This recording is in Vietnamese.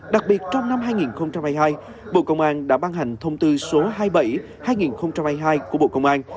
đặc biệt trong năm hai nghìn hai mươi hai bộ công an đã ban hành thông tư số hai mươi bảy hai nghìn hai mươi hai của bộ công an